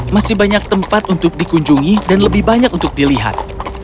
masih banyak tempat untuk dikunjungi dan lebih banyak untuk dilihat